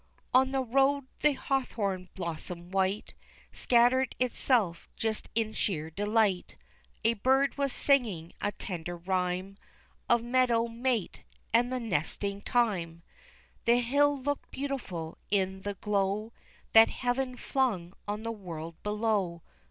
On the road the hawthorn blossom white Scattered itself just in sheer delight, A bird was singing a tender rhyme Of meadow, mate, and the nesting time, The hill looked beautiful in the glow That heaven flung on the world below.